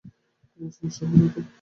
তোমার সমস্যা হবে না তো?